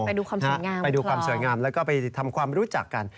ไปดูความสวยงามไปดูความสวยงามแล้วก็ไปทำความรู้จักกัน